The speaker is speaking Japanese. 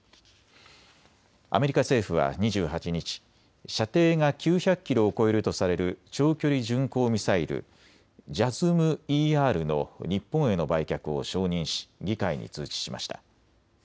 アメリカ政府は２８日、射程が９００キロを超えるとされる長距離巡航ミサイル、ＪＡＳＳＭ−ＥＲの日本への売却を承認し議会に通知しました。